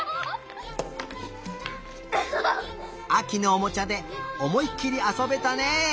あきのおもちゃでおもいっきりあそべたね！